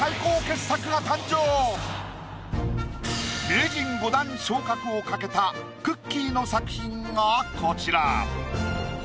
名人５段昇格を懸けたくっきー！の作品がこちら。